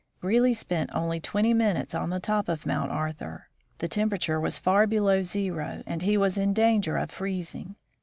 Greely spent only twenty minutes on the top of Mount Arthur. The temperature was far below zero, and he was in danger of freezing.